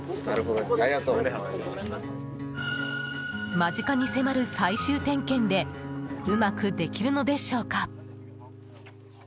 間近に迫る最終点検でうまくできるのでしょうか。